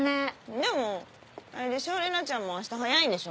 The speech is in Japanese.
でもあれでしょ玲奈ちゃんもあした早いんでしょ？